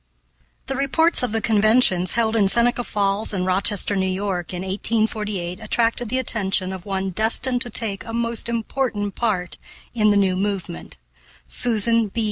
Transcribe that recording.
The reports of the conventions held in Seneca Falls and Rochester, N.Y., in 1848, attracted the attention of one destined to take a most important part in the new movement Susan B.